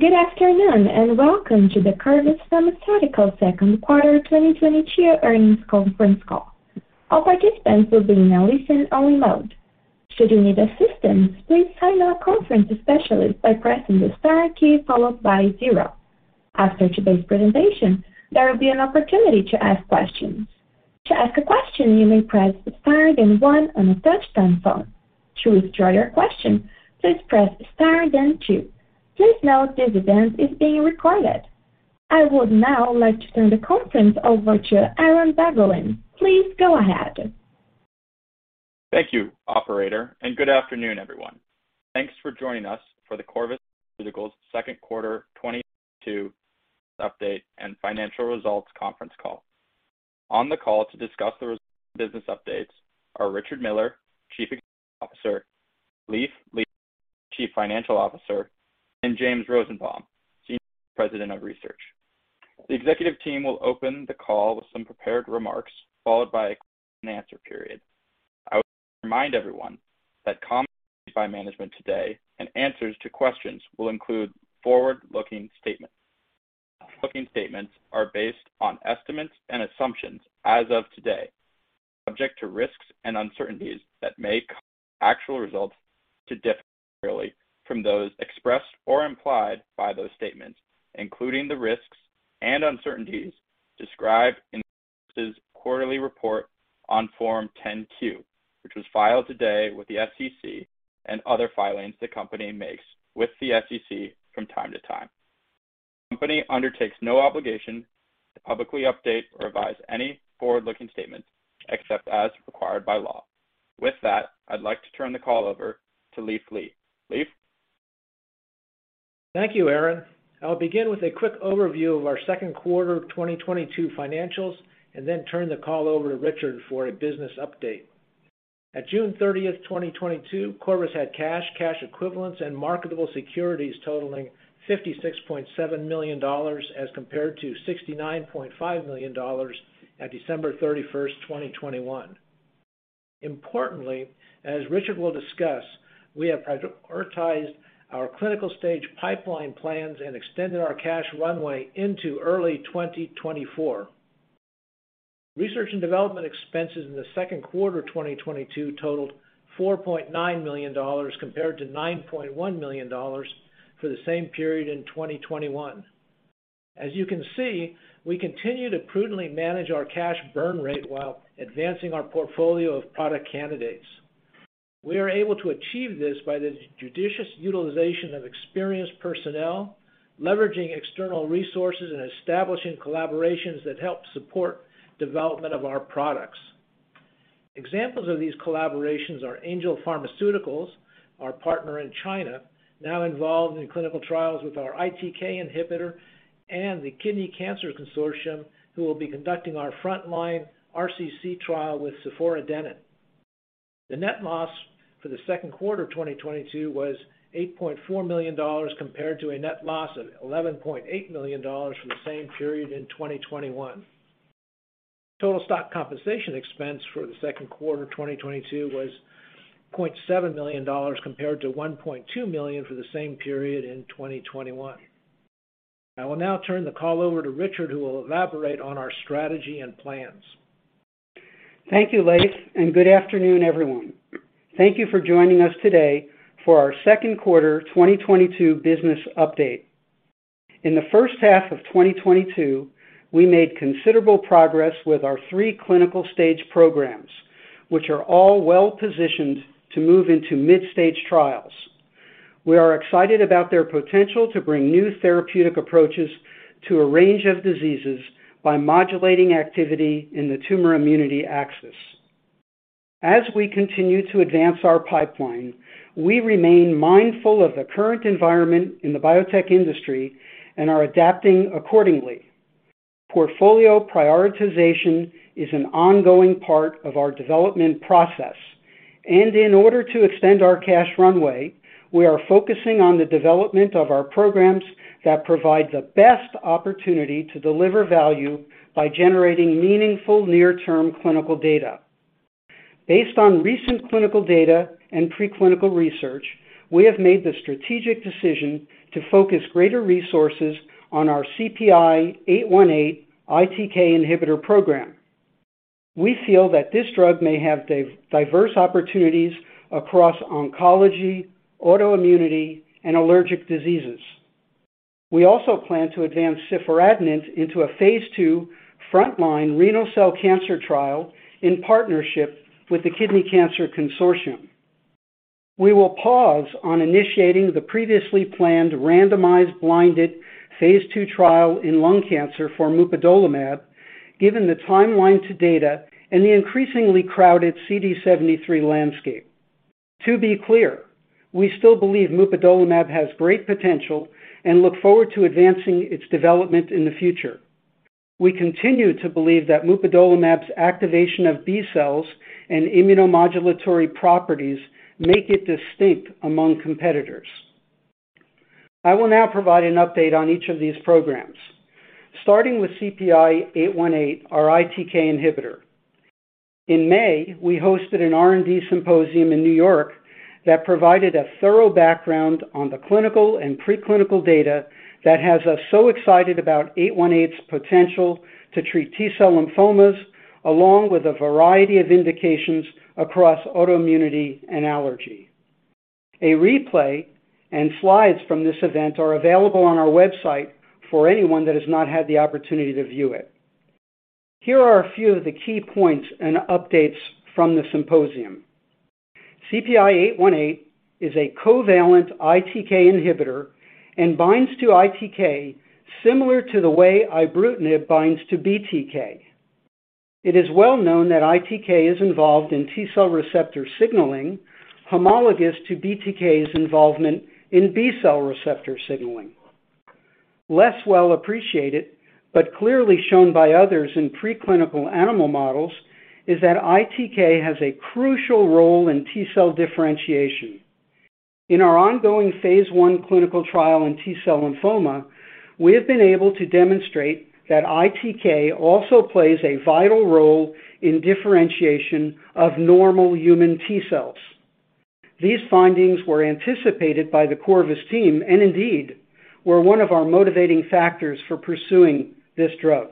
Good afternoon, and welcome to the Corvus Pharmaceuticals second quarter 2022 earnings conference call. All participants will be in a listen-only mode. Should you need assistance, please contact our conference specialist by pressing the star key followed by zero. After today's presentation, there will be an opportunity to ask questions. To ask a question, you may press star then one on a touchtone phone. To withdraw your question, please press star then two. Please note this event is being recorded. I would now like to turn the conference over to Aaron Bagalin. Please go ahead. Thank you, operator, and good afternoon, everyone. Thanks for joining us for the Corvus Pharmaceuticals second quarter 2022 update and financial results conference call. On the call to discuss the business updates are Richard Miller, Chief Executive Officer, Leiv Lea, Chief Financial Officer, and James Rosenbaum, Senior Vice President of Research. The executive team will open the call with some prepared remarks, followed by a question and answer period. I would remind everyone that comments made by management today and answers to questions will include forward-looking statements. Forward-looking statements are based on estimates and assumptions as of today, subject to risks and uncertainties that may cause actual results to differ materially from those expressed or implied by those statements, including the risks and uncertainties described in Corvus's quarterly report on Form 10-Q, which was filed today with the SEC and other filings the company makes with the SEC from time to time. The company undertakes no obligation to publicly update or revise any forward-looking statements except as required by law. With that, I'd like to turn the call over to Leiv Lea Thank you, Aaron. I'll begin with a quick overview of our second quarter 2022 financials and then turn the call over to Richard for a business update. At June 30th, 2022, Corvus had cash equivalents, and marketable securities totaling $56.7 million as compared to $69.5 million at December 31st, 2021. Importantly, as Richard will discuss, we have prioritized our clinical stage pipeline plans and extended our cash runway into early 2024. Research and development expenses in the second quarter 2022 totaled $4.9 million compared to $9.1 million for the same period in 2021. As you can see, we continue to prudently manage our cash burn rate while advancing our portfolio of product candidates. We are able to achieve this by the judicious utilization of experienced personnel, leveraging external resources, and establishing collaborations that help support development of our products. Examples of these collaborations are Angel Pharmaceuticals, our partner in China, now involved in clinical trials with our ITK inhibitor, and the Kidney Cancer Consortium, who will be conducting our frontline RCC trial with ciforadenant. The net loss for the second quarter 2022 was $8.4 million compared to a net loss of $11.8 million for the same period in 2021. Total stock compensation expense for the second quarter 2022 was $0.7 million compared to $1.2 million for the same period in 2021. I will now turn the call over to Richard, who will elaborate on our strategy and plans. Thank you, Leiv, and good afternoon, everyone. Thank you for joining us today for our second quarter 2022 business update. In the first half of 2022, we made considerable progress with our three clinical stage programs, which are all well-positioned to move into mid-stage trials. We are excited about their potential to bring new therapeutic approaches to a range of diseases by modulating activity in the tumor immunity axis. As we continue to advance our pipeline, we remain mindful of the current environment in the biotech industry and are adapting accordingly. Portfolio prioritization is an ongoing part of our development process. In order to extend our cash runway, we are focusing on the development of our programs that provide the best opportunity to deliver value by generating meaningful near-term clinical data. Based on recent clinical data and preclinical research, we have made the strategic decision to focus greater resources on our CPI-818 ITK inhibitor program. We feel that this drug may have diverse opportunities across oncology, autoimmunity, and allergic diseases. We also plan to advance ciforadenant into a phase II frontline renal cell cancer trial in partnership with the Kidney Cancer Consortium. We will pause on initiating the previously planned randomized blinded phaseII trial in lung cancer for mupadolimab, given the timeline to data and the increasingly crowded CD73 landscape. To be clear, we still believe mupadolimab has great potential and look forward to advancing its development in the future. We continue to believe that mupadolimab's activation of B cells and immunomodulatory properties make it distinct among competitors. I will now provide an update on each of these programs. Starting with CPI-818, our ITK inhibitor. In May, we hosted an R&D symposium in New York that provided a thorough background on the clinical and preclinical data that has us so excited about CPI-818's potential to treat T-cell lymphomas along with a variety of indications across autoimmunity and allergy. A replay and slides from this event are available on our website for anyone that has not had the opportunity to view it. Here are a few of the key points and updates from the symposium. CPI-818 is a covalent ITK inhibitor and binds to ITK similar to the way ibrutinib binds to BTK. It is well known that ITK is involved in T-cell receptor signaling, homologous to BTK's involvement in B-cell receptor signaling. Less well appreciated, but clearly shown by others in preclinical animal models, is that ITK has a crucial role in T-cell differentiation. In our ongoing phase I clinical trial in T-cell lymphoma, we have been able to demonstrate that ITK also plays a vital role in differentiation of normal human T cells. These findings were anticipated by the Corvus team, and indeed, were one of our motivating factors for pursuing this drug.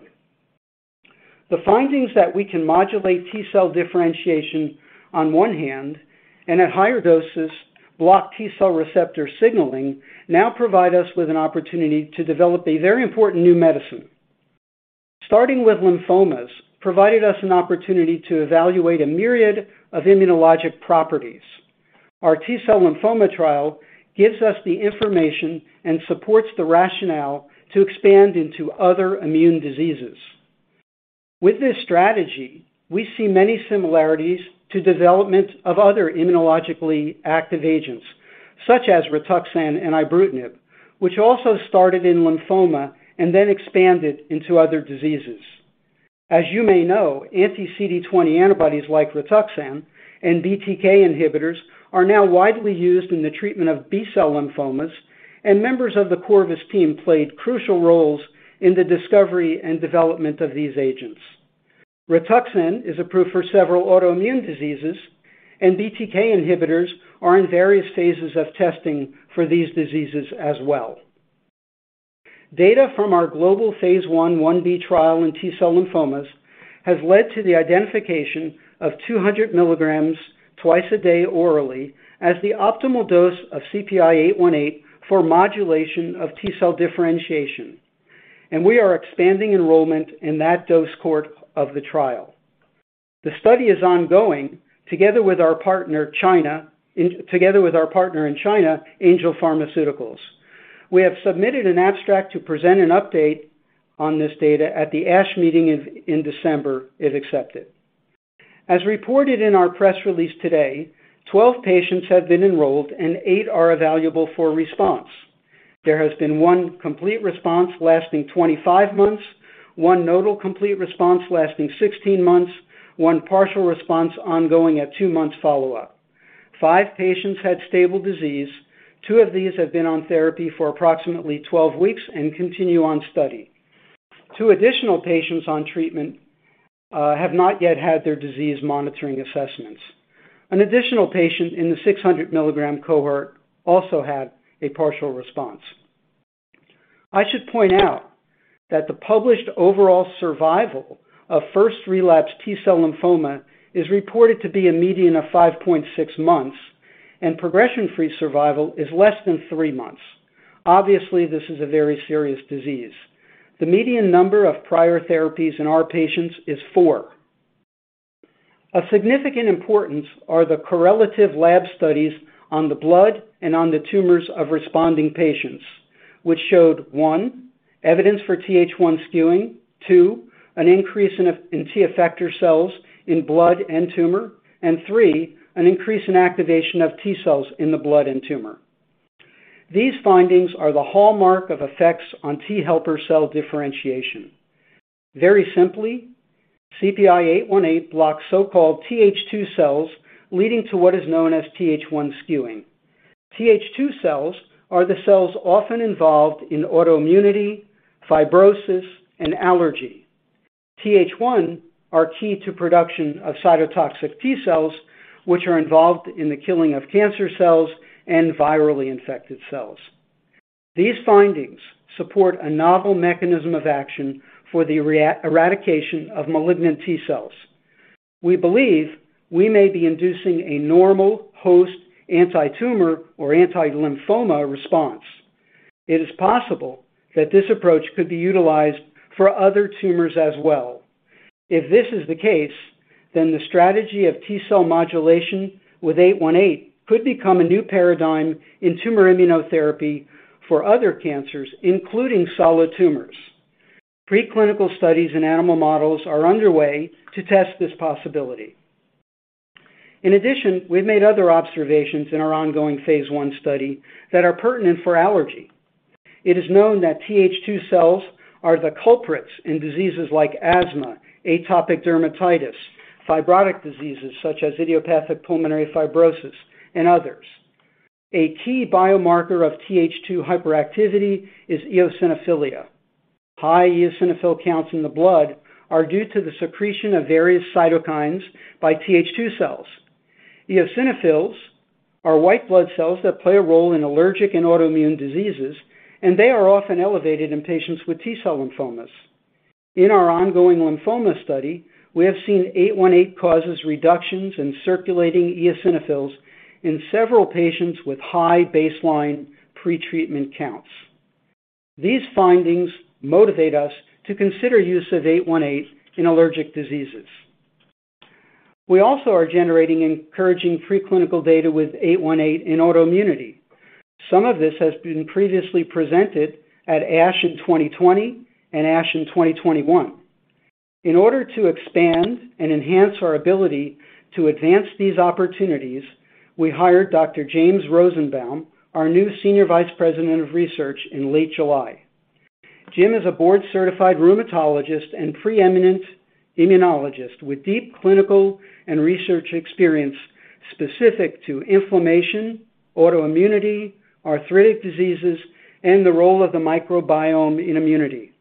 The findings that we can modulate T cell differentiation on one hand, and at higher doses, block T cell receptor signaling now provide us with an opportunity to develop a very important new medicine. Starting with lymphomas provided us an opportunity to evaluate a myriad of immunologic properties. Our T-cell lymphoma trial gives us the information and supports the rationale to expand into other immune diseases. With this strategy, we see many similarities to development of other immunologically active agents such as Rituxan and ibrutinib, which also started in lymphoma and then expanded into other diseases. As you may know, anti-CD20 antibodies like Rituxan and BTK inhibitors are now widely used in the treatment of B-cell lymphomas, and members of the Corvus team played crucial roles in the discovery and development of these agents. Rituxan is approved for several autoimmune diseases, and BTK inhibitors are in various phases of testing for these diseases as well. Data from our global phase I/phase I-B trial in T-cell lymphomas has led to the identification of 200 mg twice a day orally as the optimal dose of CPI-818 for modulation of T-cell differentiation, and we are expanding enrollment in that dose cohort of the trial. The study is ongoing together with our partner China. Together with our partner in China, Angel Pharmaceuticals. We have submitted an abstract to present an update on this data at the ASH meeting in December, if accepted. As reported in our press release today, 12 patients have been enrolled and 8 are evaluable for response. There has been one complete response lasting 25 months, one nodal complete response lasting 16 months, one partial response ongoing at 2 months follow-up. 5 patients had stable disease, 2 of these have been on therapy for approximately 12 weeks and continue on study. 2 additional patients on treatment have not yet had their disease monitoring assessments. An additional patient in the 600 milligrams cohort also had a partial response. I should point out that the published overall survival of first relapsed T-cell lymphoma is reported to be a median of 5.6 months, and progression-free survival is less than 3 months. Obviously, this is a very serious disease. The median number of prior therapies in our patients is 4. Of significant importance are the correlative lab studies on the blood and on the tumors of responding patients, which showed, one, evidence for TH1 skewing, two, an increase in T effector cells in blood and tumor, and three, an increase in activation of T cells in the blood and tumor. These findings are the hallmark of effects on T helper cell differentiation. Very simply, CPI-818 blocks so-called TH2 cells leading to what is known as TH1 skewing. TH2 cells are the cells often involved in autoimmunity, fibrosis, and allergy. TH1 are key to production of cytotoxic T cells, which are involved in the killing of cancer cells and virally infected cells. These findings support a novel mechanism of action for the ITK-eradication of malignant T cells. We believe we may be inducing a normal host anti-tumor or anti-lymphoma response. It is possible that this approach could be utilized for other tumors as well. If this is the case, then the strategy of T cell modulation with 818 could become a new paradigm in tumor immunotherapy for other cancers, including solid tumors. Preclinical studies in animal models are underway to test this possibility. In addition, we've made other observations in our ongoing phase I study that are pertinent for allergy. It is known that TH2 cells are the culprits in diseases like asthma, atopic dermatitis, fibrotic diseases such as idiopathic pulmonary fibrosis, and others. A key biomarker of TH2 hyperactivity is eosinophilia. High eosinophil counts in the blood are due to the secretion of various cytokines by TH2 cells. Eosinophils are white blood cells that play a role in allergic and autoimmune diseases, and they are often elevated in patients with T cell lymphomas. In our ongoing lymphoma study, we have seen 818 causes reductions in circulating eosinophils in several patients with high baseline pretreatment counts. These findings motivate us to consider use of 818 in allergic diseases. We also are generating encouraging preclinical data with 818 in autoimmunity. Some of this has been previously presented at ASH in 2020 and ASH in 2021. In order to expand and enhance our ability to advance these opportunities, we hired Dr. James Rosenbaum, our new Senior Vice President of Research, in late July. Jim is a board-certified rheumatologist and preeminent immunologist with deep clinical and research experience specific to inflammation, autoimmunity, arthritic diseases, and the role of the microbiome in immunity.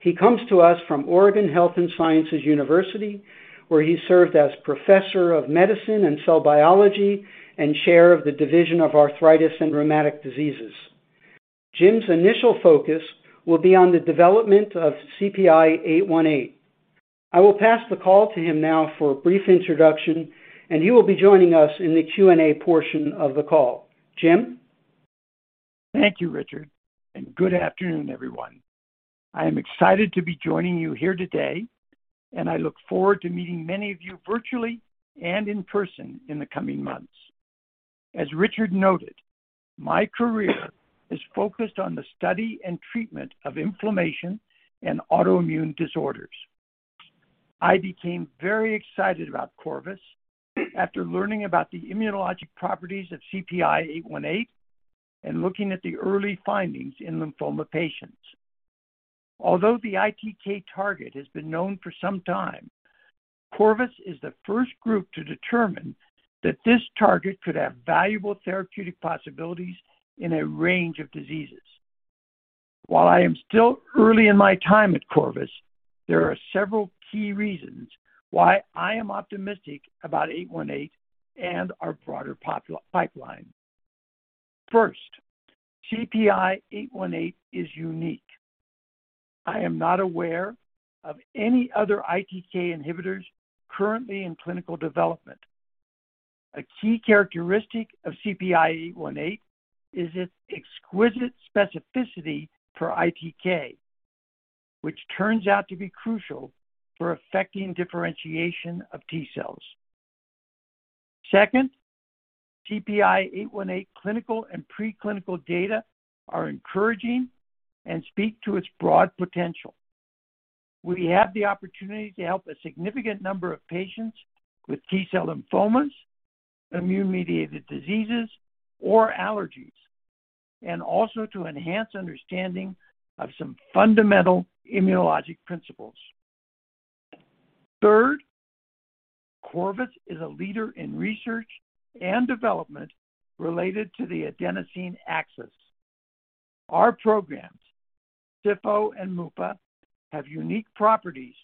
He comes to us from Oregon Health & Science University, where he served as Professor of Medicine and Cell Biology and Chair of the Division of Arthritis and Rheumatic Diseases. Jim's initial focus will be on the development of CPI-818. I will pass the call to him now for a brief introduction, and he will be joining us in the Q&A portion of the call. Jim? Thank you, Richard, and good afternoon, everyone. I am excited to be joining you here today, and I look forward to meeting many of you virtually and in person in the coming months. As Richard noted, my career is focused on the study and treatment of inflammation and autoimmune disorders. I became very excited about Corvus after learning about the immunologic properties of CPI-818 and looking at the early findings in lymphoma patients. Although the ITK target has been known for some time, Corvus is the first group to determine that this target could have valuable therapeutic possibilities in a range of diseases. While I am still early in my time at Corvus, there are several key reasons why I am optimistic about 818 and our broader pipeline. First, CPI-818 is unique. I am not aware of any other ITK inhibitors currently in clinical development. A key characteristic of CPI-818 is its exquisite specificity for ITK, which turns out to be crucial for affecting differentiation of T cells. Second, CPI-818 clinical and preclinical data are encouraging and speak to its broad potential. We have the opportunity to help a significant number of patients with T cell lymphomas, immune-mediated diseases, or allergies, and also to enhance understanding of some fundamental immunologic principles. Third, Corvus is a leader in research and development related to the adenosine axis. Our programs, ciforadenant and mupadolimab, have unique properties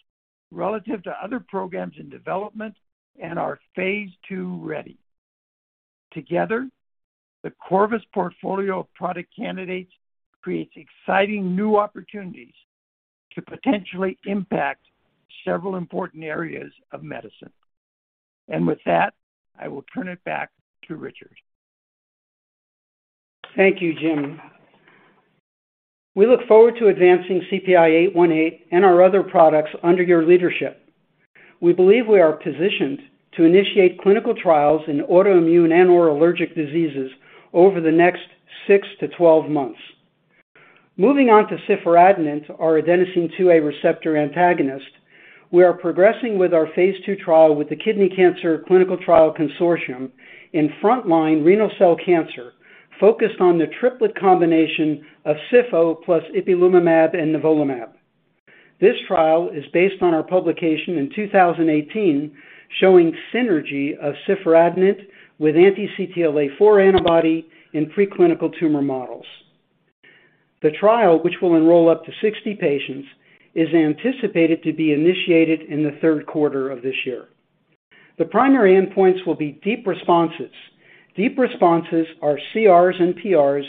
relative to other programs in development and are phase II ready. Together, the Corvus portfolio of product candidates creates exciting new opportunities to potentially impact several important areas of medicine. With that, I will turn it back to Richard. Thank you, Jim. We look forward to advancing CPI-818 and our other products under your leadership. We believe we are positioned to initiate clinical trials in autoimmune and/or allergic diseases over the next 6 to 12 months. Moving on to ciforadenant, our adenosine A2A receptor antagonist, we are progressing with our phase II trial with the Kidney Cancer Clinical Trials Consortium in frontline renal cell cancer focused on the triplet combination of ciforadenant plus ipilimumab and nivolumab. This trial is based on our publication in 2018 showing synergy of ciforadenant with anti-CTLA4 antibody in preclinical tumor models. The trial, which will enroll up to 60 patients, is anticipated to be initiated in the third quarter of this year. The primary endpoints will be deep responses. Deep responses are CRs and PRs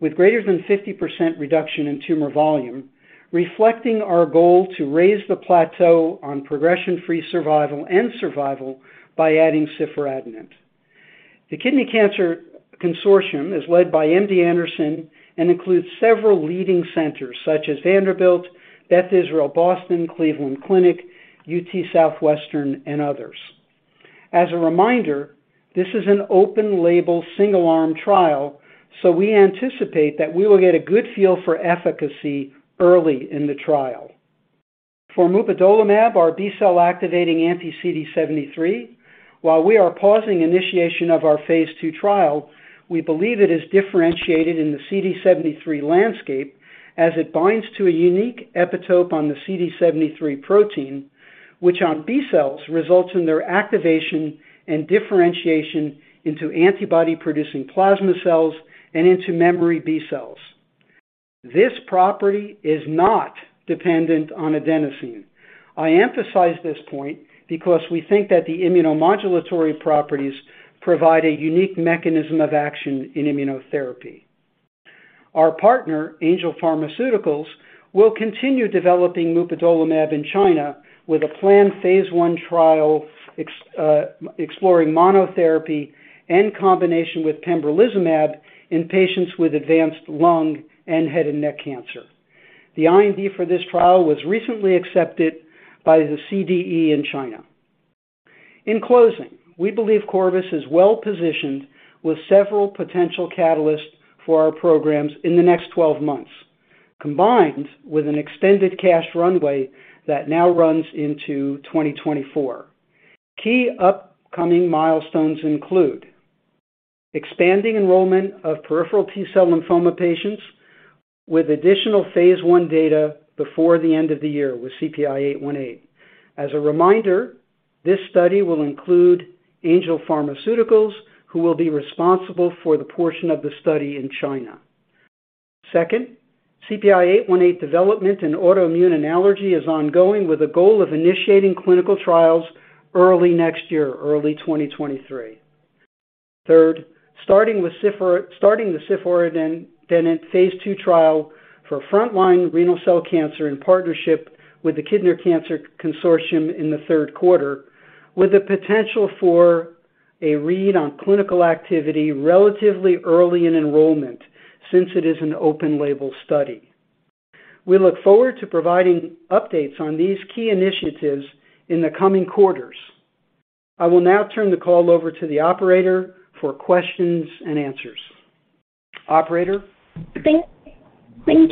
with greater than 50% reduction in tumor volume, reflecting our goal to raise the plateau on progression-free survival and survival by adding ciforadenant. The Kidney Cancer Consortium is led by MD Anderson and includes several leading centers such as Vanderbilt, Beth Israel Deaconess Medical Center, Cleveland Clinic, UT Southwestern, and others. As a reminder, this is an open-label, single-arm trial, so we anticipate that we will get a good feel for efficacy early in the trial. For mupadolimab, our B-cell activating anti-CD73, while we are pausing initiation of our phase II trial, we believe it is differentiated in the CD73 landscape as it binds to a unique epitope on the CD73 protein, which on B cells results in their activation and differentiation into antibody-producing plasma cells and into memory B cells. This property is not dependent on adenosine. I emphasize this point because we think that the immunomodulatory properties provide a unique mechanism of action in immunotherapy. Our partner, Angel Pharmaceuticals, will continue developing mupadolimab in China with a planned phase I trial exploring monotherapy and combination with pembrolizumab in patients with advanced lung and head and neck cancer. The IND for this trial was recently accepted by the CDE in China. In closing, we believe Corvus is well-positioned with several potential catalysts for our programs in the next 12 months, combined with an extended cash runway that now runs into 2024. Key upcoming milestones include expanding enrollment of peripheral T-cell lymphoma patients with additional phase I data before the end of the year with CPI-818. As a reminder, this study will include Angel Pharmaceuticals, who will be responsible for the portion of the study in China. Second, CPI-818 development and autoimmune and allergy is ongoing with a goal of initiating clinical trials early next year, early 2023. Third, starting the ciforadenant phase II trial for front line renal cell cancer in partnership with the Kidney Cancer Consortium in the third quarter, with the potential for a read on clinical activity relatively early in enrollment since it is an open label study. We look forward to providing updates on these key initiatives in the coming quarters. I will now turn the call over to the operator for questions and answers. Operator? Thank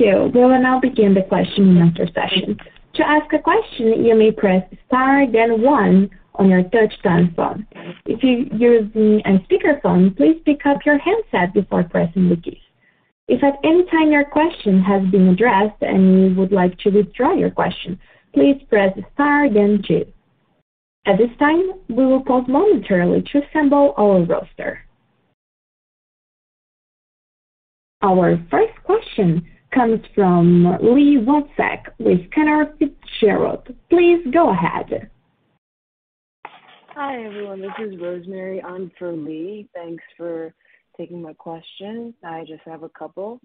you. We will now begin the question-and-answer session. To ask a question, you may press star, then one on your touch-tone phone. If you're using a speakerphone, please pick up your handset before pressing the key. If at any time your question has been addressed and you would like to withdraw your question, please press star then two. At this time, we will pause momentarily to assemble our roster. Our first question comes from Lee Wozniak with Cantor Fitzgerald. Please go ahead. Hi, everyone. This is Rosemary on for Lee. Thanks for taking my question. I just have a couple.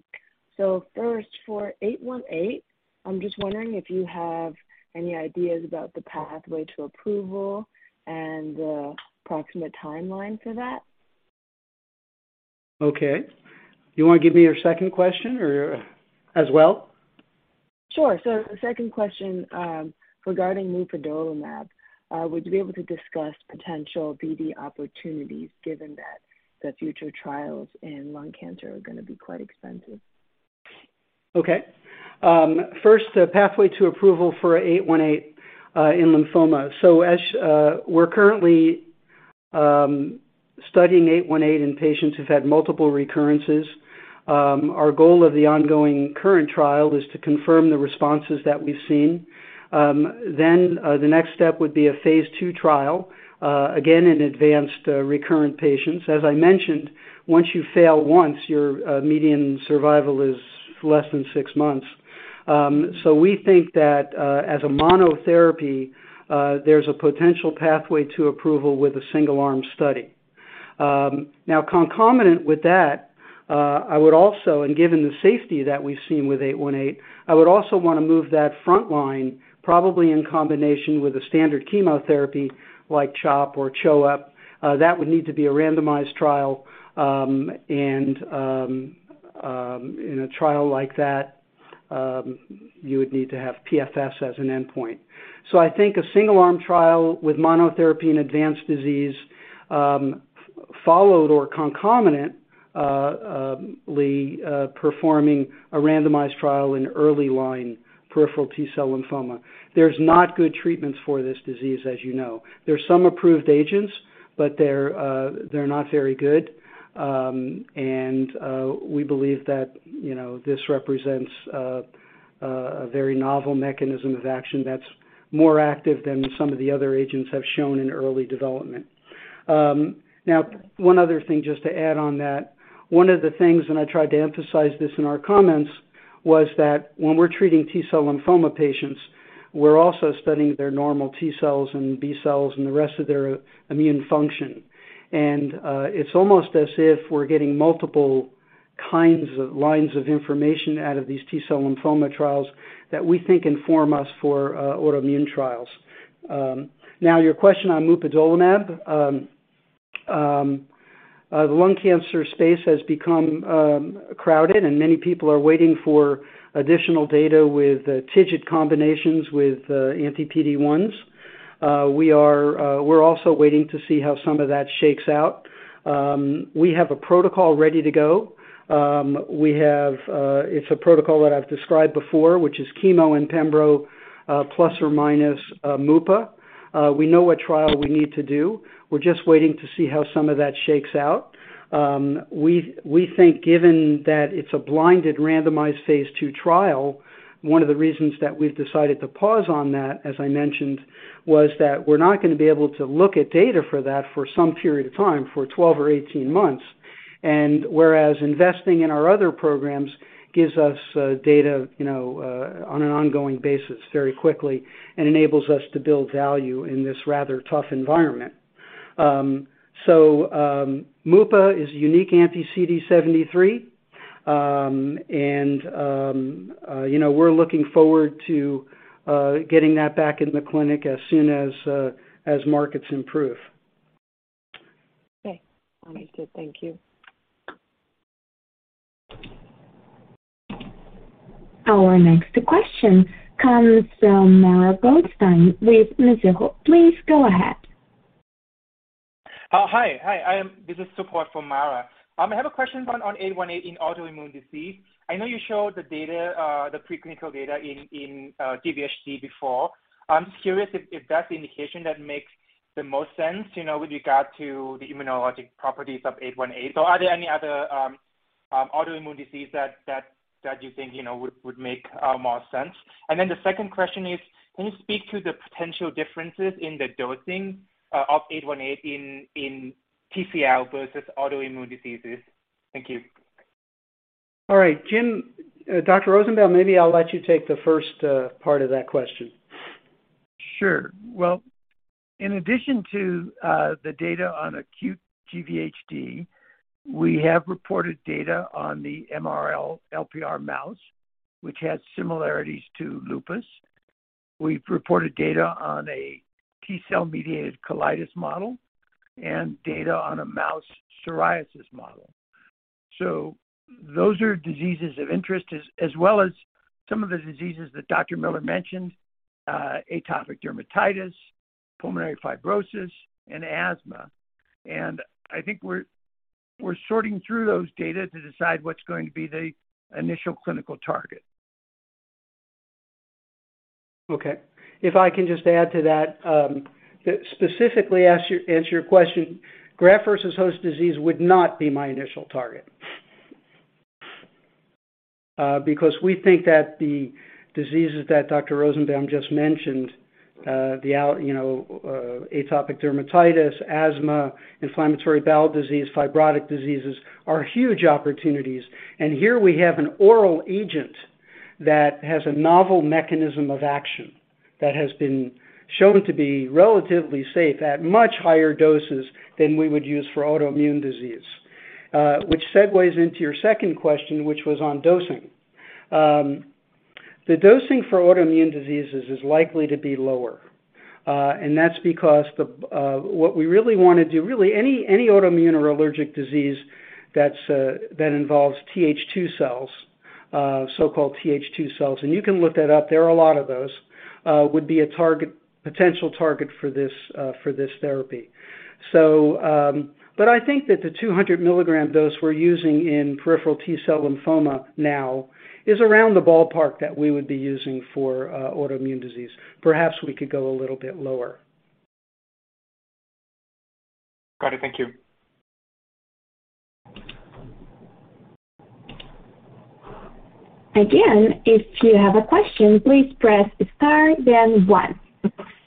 First, for 818, I'm just wondering if you have any ideas about the pathway to approval and the approximate timeline for that? Okay. You wanna give me your second question or as well? Sure. The second question, regarding mupadolimab, would you be able to discuss potential BD opportunities given that the future trials in lung cancer are gonna be quite expensive? Okay. First, the pathway to approval for CPI-818 in lymphoma. We're currently studying CPI-818 in patients who've had multiple recurrences. Our goal of the ongoing current trial is to confirm the responses that we've seen. The next step would be a phase II trial, again in advanced recurrent patients. As I mentioned, once you fail once, your median survival is less than 6 months. We think that, as a monotherapy, there's a potential pathway to approval with a single arm study. Now concomitant with that, I would also and given the safety that we've seen with CPI-818, I would also wanna move that front line probably in combination with a standard chemotherapy like CHOP or CHOEP, that would need to be a randomized trial, and, in a trial like that, you would need to have PFS as an endpoint. I think a single arm trial with monotherapy and advanced disease, followed or concomitantly performing a randomized trial in early line peripheral T-cell lymphoma. There's not good treatments for this disease, as you know. There's some approved agents, but they're not very good. We believe that, you know, this represents a very novel mechanism of action that's more active than some of the other agents have shown in early development. Now one other thing just to add on that, one of the things, and I tried to emphasize this in our comments, was that when we're treating T-cell lymphoma patients, we're also studying their normal T cells and B cells and the rest of their immune function. It's almost as if we're getting multiple kinds of lines of information out of these T-cell lymphoma trials that we think inform us for autoimmune trials. Now your question on mupadolimab. The lung cancer space has become crowded and many people are waiting for additional data with TIGIT combinations with anti-PD-1s. We're also waiting to see how some of that shakes out. We have a protocol ready to go. We have, it's a protocol that I've described before, which is chemo and pembro, plus or minus, mupadolimab. We know what trial we need to do. We're just waiting to see how some of that shakes out. We think given that it's a blinded randomized phase II trial, one of the reasons that we've decided to pause on that, as I mentioned, was that we're not gonna be able to look at data for that for some period of time for 12 or 18 months. Whereas investing in our other programs gives us, data, you know, on an ongoing basis very quickly and enables us to build value in this rather tough environment. Mupadolimab is a unique anti-CD73. you know, we're looking forward to getting that back in the clinic as soon as markets improve. Okay. Understood. Thank you. Our next question comes from Mara Goldstein with Mizuho. Please go ahead. This is support for Mara. I have a question on 818 in autoimmune disease. I know you showed the data, the preclinical data in GvHD before. I'm just curious if that's the indication that makes the most sense, you know, with regard to the immunologic properties of 818. Are there any other autoimmune disease that you think would make more sense? The second question is, can you speak to the potential differences in the dosing of 818 in TCL versus autoimmune diseases? Thank you. All right. Jim, Dr. Rosenbaum, maybe I'll let you take the first part of that question. Sure. Well, in addition to the data on acute GvHD, we have reported data on the MRL/lpr mouse, which has similarities to lupus. We've reported data on a T-cell mediated colitis model and data on a mouse psoriasis model. So those are diseases of interest as well as some of the diseases that Dr. Miller mentioned, atopic dermatitis, pulmonary fibrosis, and asthma. I think we're sorting through those data to decide what's going to be the initial clinical target. Okay. If I can just add to that, specifically answer your question, graft-versus-host disease would not be my initial target, because we think that the diseases that Dr. Rosenbaum just mentioned, you know, atopic dermatitis, asthma, inflammatory bowel disease, fibrotic diseases, are huge opportunities. Here we have an oral agent that has a novel mechanism of action that has been shown to be relatively safe at much higher doses than we would use for autoimmune disease, which segues into your second question, which was on dosing. The dosing for autoimmune diseases is likely to be lower, and that's because what we really wanna do, really any autoimmune or allergic disease that's that involves TH2 cells, so-called TH2 cells, and you can look that up, there are a lot of those would be a target, potential target for this therapy. I think that the 200 milligram dose we're using in peripheral T-cell lymphoma now is around the ballpark that we would be using for autoimmune disease. Perhaps we could go a little bit lower. Got it. Thank you. Again, if you have a question, please press star then one.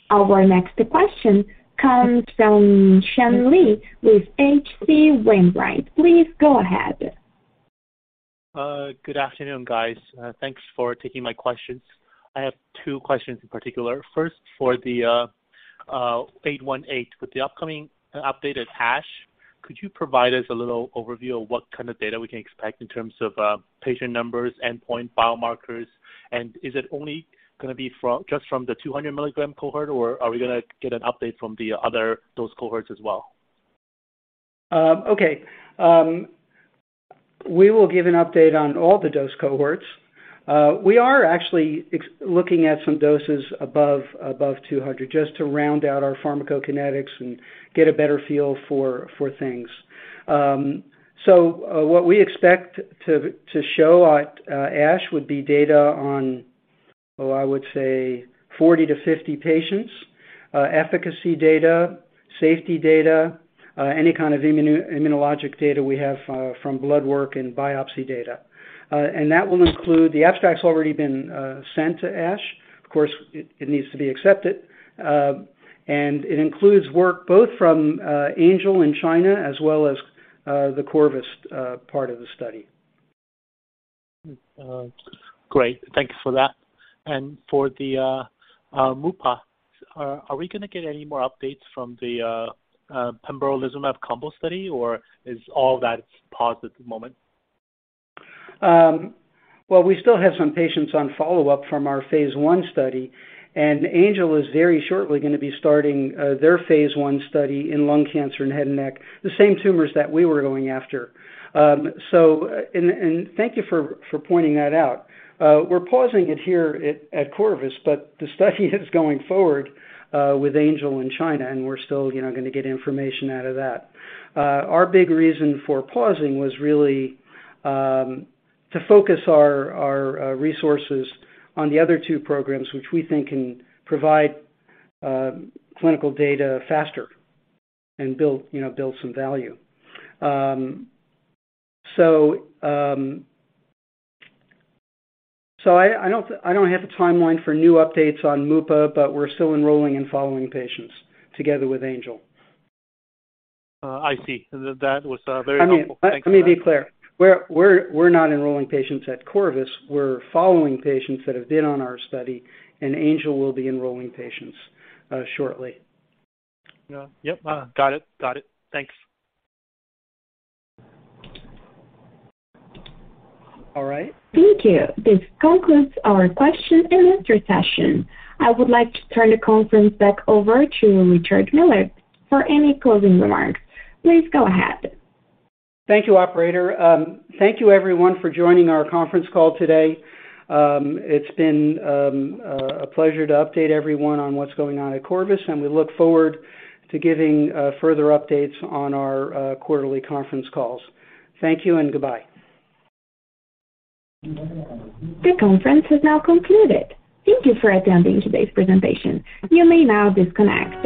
Our next question comes from Sean Lee with H.C. Wainwright. Please go ahead. Good afternoon, guys. Thanks for taking my questions. I have two questions in particular. First, for the CPI-818. With the upcoming updated ASH, could you provide us a little overview of what kind of data we can expect in terms of patient numbers, endpoint biomarkers? Is it only gonna be just from the 200 milligram cohort, or are we gonna get an update from the other dose cohorts as well? Okay. We will give an update on all the dose cohorts. We are actually looking at some doses above 200 just to round out our pharmacokinetics and get a better feel for things. What we expect to show at ASH would be data on, I would say 40-50 patients, efficacy data, safety data, any kind of immunologic data we have from blood work and biopsy data. That will include. The abstract's already been sent to ASH. Of course, it needs to be accepted. It includes work both from Angel in China as well as the Corvus part of the study. Great. Thank you for that. For the mupadolimab, are we gonna get any more updates from the pembrolizumab combo study, or is all that paused at the moment? Well, we still have some patients on follow-up from our phase I study, and Angel is very shortly gonna be starting their phase I study in lung cancer and head and neck, the same tumors that we were going after. Thank you for pointing that out. We're pausing it here at Corvus, but the study is going forward with Angel in China, and we're still, you know, gonna get information out of that. Our big reason for pausing was really to focus our resources on the other two programs, which we think can provide clinical data faster and build, you know, some value. I don't have a timeline for new updates on mupadolimab, but we're still enrolling and following patients together with Angel. I see. That was very helpful. Thank you. Let me be clear. We're not enrolling patients at Corvus. We're following patients that have been on our study, and Angel will be enrolling patients shortly. Yeah. Yep. Got it. Thanks. All right. Thank you. This concludes our question and answer session. I would like to turn the conference back over to Richard Miller for any closing remarks. Please go ahead. Thank you, operator. Thank you everyone for joining our conference call today. It's been a pleasure to update everyone on what's going on at Corvus, and we look forward to giving further updates on our quarterly conference calls. Thank you and goodbye. The conference has now concluded. Thank you for attending today's presentation. You may now disconnect.